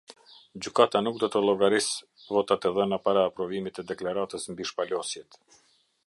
Gjykata nuk do të llogarisë votat e dhëna para aprovimit të deklaratës mbi shpalosjet.